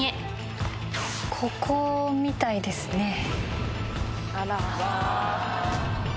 ここみたいですね。